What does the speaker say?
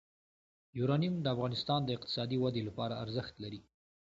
یورانیم د افغانستان د اقتصادي ودې لپاره ارزښت لري.